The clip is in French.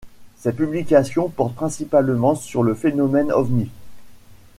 Ses publications portent principalement sur le phénomène ovni.